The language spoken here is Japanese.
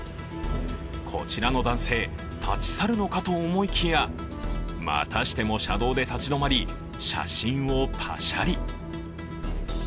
こちらの男性、立ち去るのかと思いきやまたしても車道で立ち止まり写真をパシャリ。